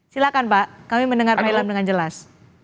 silahkan pak kami mendengar pak ilham dengan jelas